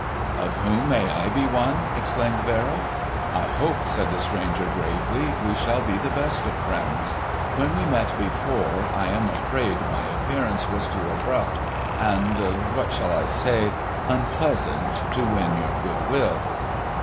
"Of whom may I be one?" exclaimed Verrill. "I hope," said the stranger gravely, "we shall be the best of friends. When we met before I am afraid, my appearance was too abrupt and—what shall I say—unpleasant to win your good will."